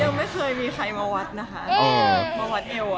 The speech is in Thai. อย่ามาเคยมีใครหมาวัดนะคะเออ